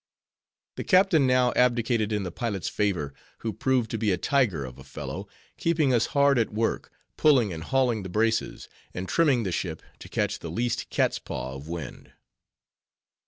The captain now abdicated in the pilot's favor, who proved to be a tiger of a fellow, keeping us hard at work, pulling and hauling the braces, and trimming the ship, to catch the least cat's paw of wind.